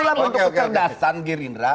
itu lah bentuk kecerdasan gerindra